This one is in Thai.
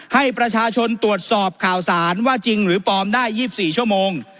ให้ประชาชนตรวจสอบข่าวสารว่าจริงหรือปลอมได้๒๔ชั่วโมง